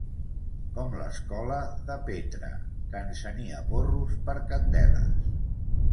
Com l'escolà de Petra, que encenia porros per candeles.